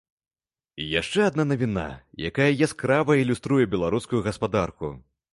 І яшчэ адна навіна, якая яскрава ілюструе беларускую гаспадарку.